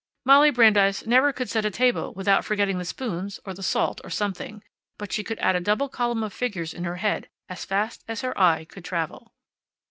Molly Brandeis never could set a table without forgetting the spoons, or the salt, or something, but she could add a double column of figures in her head as fast as her eye could travel.